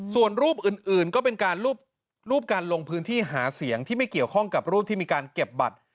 ส่วนรูปอื่นก็เป็นการรูปการลงพื้นที่หาเสียงที่ไม่เกี่ยวข้องกับรูปที่มีการเก็บบัตร